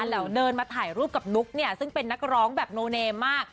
แล้วเดินมาถ่ายรูปกับนุ๊กเนี่ยซึ่งเป็นนักร้องแบบโนเนมมาก